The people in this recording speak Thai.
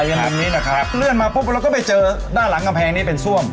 อย่างนี้นะครับเลื่อนมาปุ๊บเราก็ไปเจอด้านหลังกำแพงนี้เป็นซ่วม